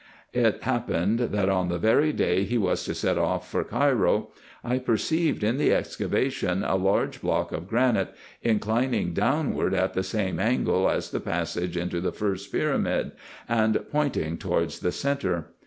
It hap pened, that on the very day he was to set off* for Cairo, I perceived in the excavation a large block of granite, inclining downward at the same angle as the passage into the first pyramid, and pointing towards the centre.